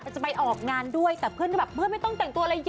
จะไปออกงานด้วยแต่เพื่อนก็แบบเพื่อนไม่ต้องแต่งตัวอะไรเยอะ